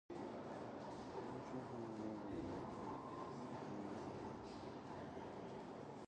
Mary preferred novels like these seeing that it best suited her style of writing.